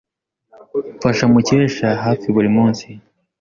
Mfasha Mukesha hafi buri munsi.